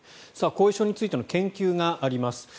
後遺症についての研究があります。